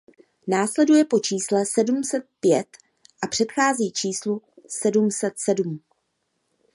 Následuje po čísle sedm set pět a předchází číslu sedm set sedm.